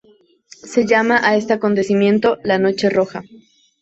Se llama a este acontecimiento "la noche roja".